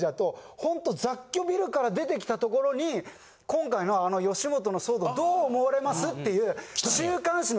ほんと雑居ビルから出てきたところに今回の吉本の騒動どう思われますっていう。